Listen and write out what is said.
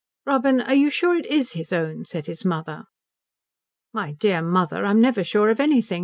"Robin, are you sure it is his own?" said his mother. "My dear mother, I'm never sure of anything.